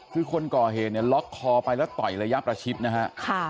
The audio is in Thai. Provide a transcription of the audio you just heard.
คือคนก่อเหตุเนี่ยล็อกคอไปแล้วต่อยระยะประชิดนะฮะ